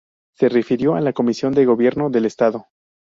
Se refirió a la Comisión de Gobierno del Estado.